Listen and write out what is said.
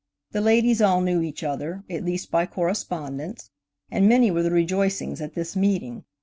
The ladies all knew each other, at least by correspondence, and many were the rejoicings at this meeting.